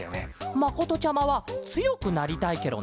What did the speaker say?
まことちゃまはつよくなりたいケロね。